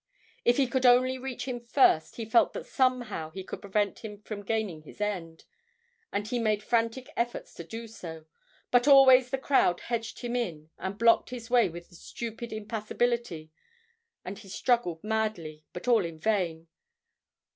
If he could only reach him first, he felt that somehow he could prevent him from attaining his end, and he made frantic efforts to do so; but always the crowd hedged him in and blocked his way with a stupid impassibility, and he struggled madly, but all in vain.